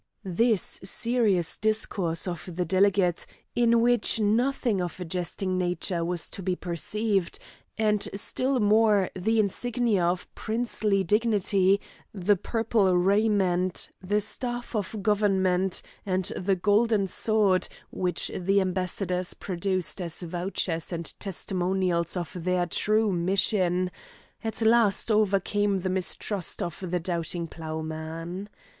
This serious discourse of the delegate, in which nothing of a jesting nature was to be perceived, and still more the insignia of princely dignity the purple raiment, the staff of government, and the golden sword, which the ambassadors produced as vouchers and testimonials of their true mission at last overcame the mistrust of the doubting ploughman.